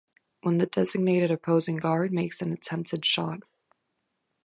When the designated opposing guard makes an attempted shot.